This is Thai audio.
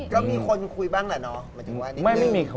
ก็มีคนคุยบ้างแหละเนอะ